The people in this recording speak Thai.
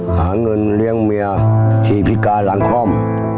หาเงินเลี้ยงเมียที่พิการหลังคล่อม